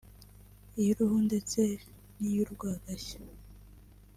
iy’uruhu ndetse n’iy’urwagashya (Pancreas)